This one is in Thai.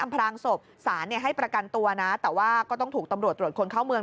พรางศพสารให้ประกันตัวนะแต่ว่าก็ต้องถูกตำรวจตรวจคนเข้าเมือง